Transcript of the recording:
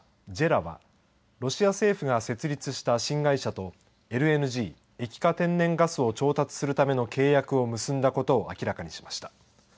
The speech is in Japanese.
ＪＥＲＡはロシア政府が設立した新会社とＬＮＧ液化天然ガスを調達するための契約を結んだことを明らかにしました。